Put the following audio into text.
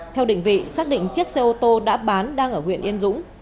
theo định vị xác định chiếc xe ô tô đã bán đang ở huyện yên dũng